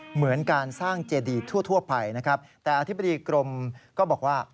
เหมือนการสร้างเจดีทั่วไปนะครับแต่อธิบดีกรมก็บอกว่า